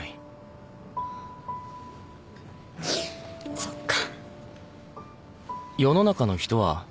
そっか。